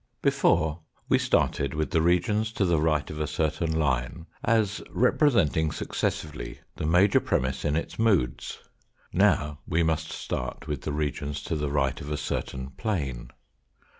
Before we started with the regions to the right of a certain line as representing successively the major premiss in its moods ; now we must start with the regions to the right of a certain plane.